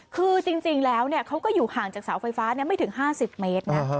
คือจริงแล้วเขาก็อยู่ห่างจากเสาไฟฟ้าไม่ถึง๕๐เมตรนะ